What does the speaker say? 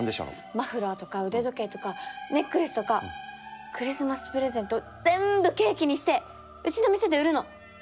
マフラーとか腕時計とかネックレスとかクリスマスプレゼント全部ケーキにしてうちの店で売るの！